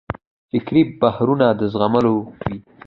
فکري بهیرونه د زغملو وي.